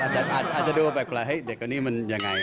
อาจจะดูแบบเฮ้ยเด็กกว่านี้มันอย่างไร